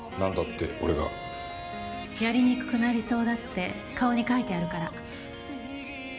やりにくくなりそうだって顔に書いてあるから。